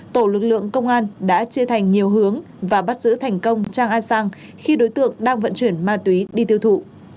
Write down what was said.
tổ lực lượng công an đã chia thành nhiều hướng và bắt giữ thành công trang a sang khi đối tượng đang vận chuyển ma túy đi tiêu thụ